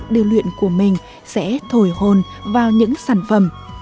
điều luyện của mình sẽ thổi hồn vào những sản phẩm